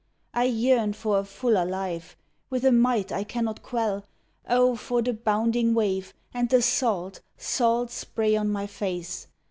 I yearn for a fuller life, with a might I cannot quell! O for the bounding wave, and the salt, salt spray on my face!